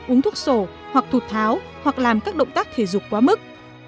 uống thuốc sổ hoặc thụt tháo hoặc làm các động tác thể dục quá mức